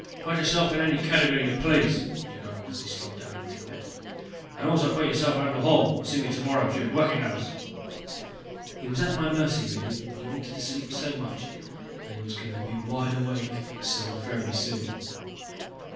"Put yourself in any category you please," he grumbled as he slumped down in the bed. "And also put yourself out into the hall and see me tomorrow during working hours." He was at my mercy, really. He wanted sleep so much. And he was going to be wide awake so very soon.